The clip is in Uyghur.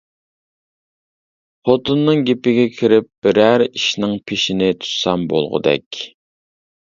خوتۇننىڭ گېپىگە كىرىپ بىرەر ئىشنىڭ پېشىنى تۇتسام بولغۇدەك.